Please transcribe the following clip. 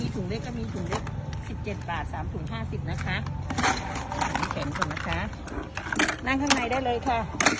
สิบเจ็ดบาทสามถุงห้าสิบนะคะแข็งขนนะคะนั่งข้างในได้เลยค่ะ